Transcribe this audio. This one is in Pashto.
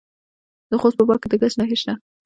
د خوست په باک کې د ګچ نښې شته.